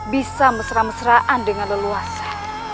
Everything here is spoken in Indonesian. bisa mesra mesraan dengan leluasa